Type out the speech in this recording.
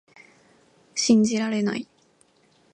信じられない